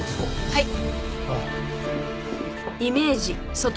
はい。